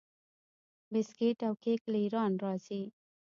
بسکیټ او کیک له ایران راځي.